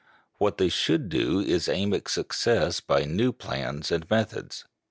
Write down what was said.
What they should do is to aim at success by new plans and methods.